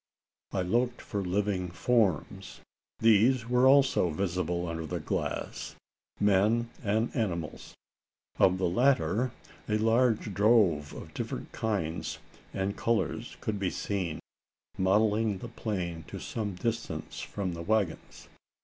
I looked for living forms. These were also visible under the glass men and animals. Of the latter, a large drove of different kinds and colours could be seen, mottling the plain to some distance from the waggons.